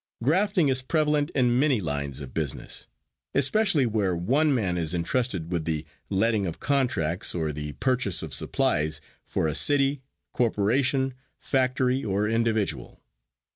Grafting is prevalent in many lines of business, especially where one man is entrusted with the letting of contracts, or with the purchase of supplies for a city, corporation, factory or individual.